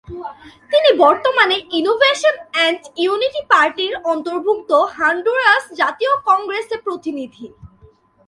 তিনি বর্তমানে innovation and unity পার্টির অন্তর্ভুক্ত হন্ডুরাস জাতীয় কংগ্রেসে প্রতিনিধি।